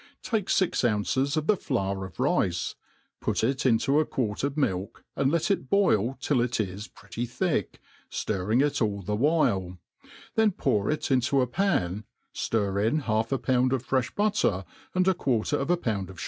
TAKE Rx ounces of the Hour of rice, put it into a quart of milk, and let it boil till it is pretty thick, ftirring it all the while ; then pour it inco a p^n, ftir in half a pound of frtfk butter, and a quarter of a pound of.